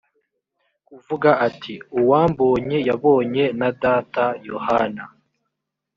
kuvuga ati uwambonye yabonye na data yohana